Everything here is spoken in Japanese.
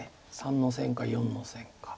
３の線か４の線か。